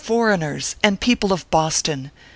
foreigners ! and people of Boston !